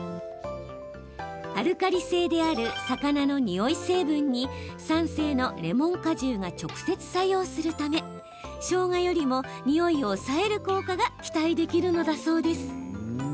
アルカリ性である魚のにおい成分に酸性のレモン果汁が直接、作用するためしょうがよりも、においを抑える効果が期待できるのだそう。